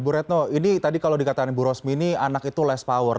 bu retno ini tadi kalau dikatakan ibu rosmi ini anak itu less power